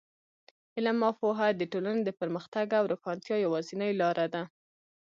علم او پوهه د ټولنې د پرمختګ او روښانتیا یوازینۍ لاره ده.